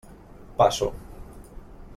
Passo.